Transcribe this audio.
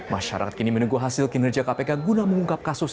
masyarakat kini menunggu hasil kinerja kpk guna mengungkap kasus